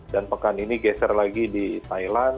pekan ini geser lagi di thailand